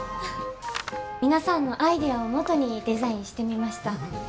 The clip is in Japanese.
皆さんのアイデアを基にデザインしてみました。